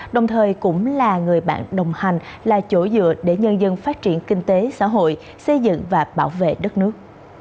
đồng thời cũng là người bạn đồng hành là chỗ dựa để nhân dân phát triển kinh tế xã hội xây dựng và bảo vệ đất nước